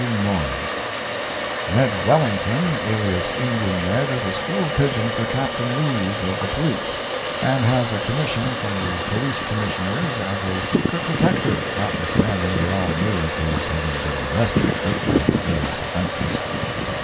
W. Noyes: Ned Wellington, alias "Indian Ned," is a stool pigeon for Captain Lees, of the police, and has a commission from the Police Commissioners, as a secret detective, notwithstanding they all knew of his having been arrested frequently for various offenses.